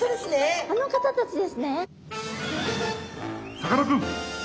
さかなクン。